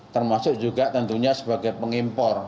termasuk juga tentunya sebagai pengimpor